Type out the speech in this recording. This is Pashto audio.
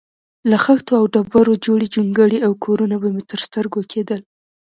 له خښتو او ډبرو جوړې جونګړې او کورونه به مې تر سترګو کېدل.